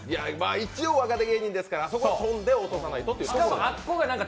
一応若手芸人ですからあそこで飛んで落とさないと。